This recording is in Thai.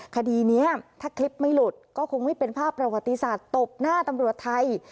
คดีนี้ถ้าคลิปไม่หลุดก็คงไม่เป็นภาพประวัติศาสตร์ตบหน้าตำรวจไทย